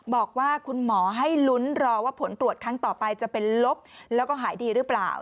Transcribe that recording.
บอกว่าคุณหมอให้ลุ้นรอว่าผลตรวจครั้งต่อไปจะเป็นลบแล้วก็หายดีหรือเปล่า